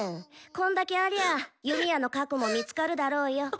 こんだけありゃ弓矢の「核」も見つかるだろうよ。